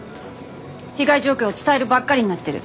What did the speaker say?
被害状況を伝えるばっかりになってる。